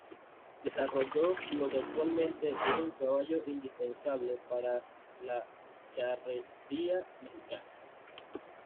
Desarrolló lo que actualmente es un caballo indispensable para la charrería mexicana.